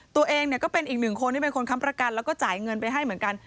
ตัวเองก็เป็นอีกหนึ่งคนที่เป็นคนค้ำประกันแล้วก็จ่ายเงินไปให้เหมือนกัน